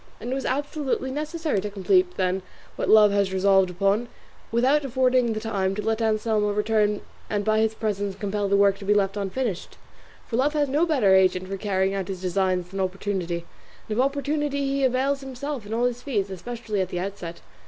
and it was absolutely necessary to complete then what love had resolved upon, without affording the time to let Anselmo return and by his presence compel the work to be left unfinished; for love has no better agent for carrying out his designs than opportunity; and of opportunity he avails himself in all his feats, especially at the outset.